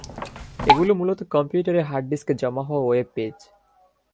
এগুলো মূলত কম্পিউটারের হার্ড ডিস্কে জমা হওয়া ওয়েব পেজ।